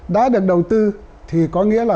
đã được đầu tư thì có nghĩa là